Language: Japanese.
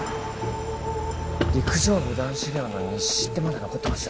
陸上部男子寮の日誌ってまだ残ってます？